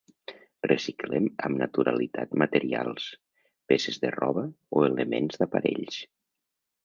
Reciclem amb naturalitat materials, peces de roba o elements d'aparells.